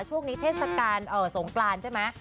ช่วงนี้เทศกาลสงกรานใช่ไหม